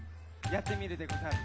やってみるでござる。